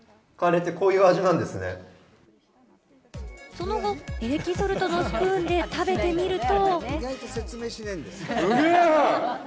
その後、エレキソルトのスプーンで食べてみると。